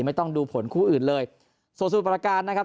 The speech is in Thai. ไม่ต้องดูผลคู่อื่นเลยส่วนสมุทรประการนะครับ